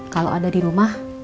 kalo ada di rumah